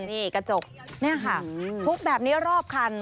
นี่กระจกนี่ค่ะทุบแบบนี้รอบคัน